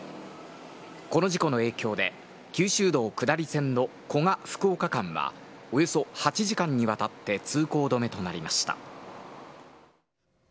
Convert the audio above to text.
この事故の影響で、九州道下り線の古賀・福岡間は、およそ８時間にわたって通行止めとなりました。